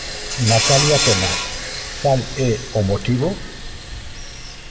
Natalia Penas, cal é o motivo?